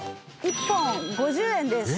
１本５０円です。